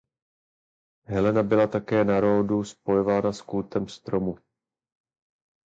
Helena byla také na Rhodu spojována s kultem stromu.